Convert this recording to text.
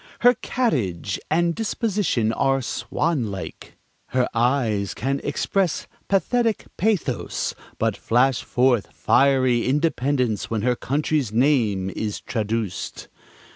... "Her carriage and disposition are swan like." ... "Her eyes can express pathetic pathos, but flash forth fiery independence when her country's name is traduced."